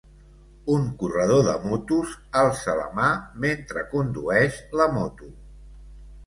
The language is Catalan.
Un corredor de motos alça la mà mentre condueix la moto.